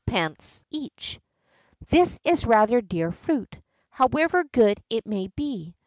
[XII 65] This is rather dear fruit, however good it may be.